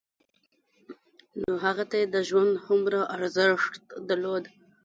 نو هغه ته يې د ژوند هومره ارزښت درلود.